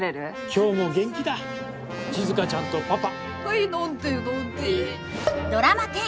今日も元気だ静ちゃんとパパ。